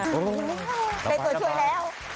เป็นตัวช่วยแล้ว